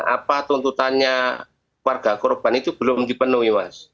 apa tuntutannya warga korban itu belum dipenuhi mas